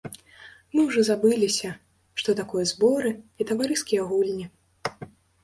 Мы ўжо забыліся, што такое зборы і таварыскія гульні.